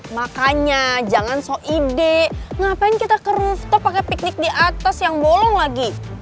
makanya jangan so ide ngapain kita ke roofto pakai piknik di atas yang bolong lagi